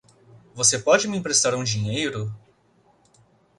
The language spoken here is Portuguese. Você pode me emprestar um dinheiro?